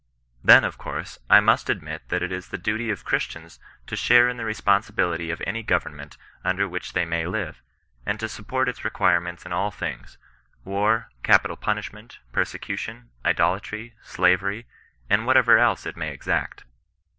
Then, of course, I must admit that it is the duty of Christians to share in the responsibility of any govern ment under which they may live, and to support its re quirements in all things, war, capital punishment, per secution, idolatry, slavery, and whatever else it may exact.